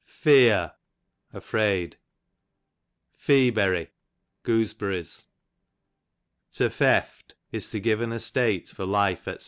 Feear, afraid. Feaberry, gooseberries. To Feft, is to give an estate for life, dr.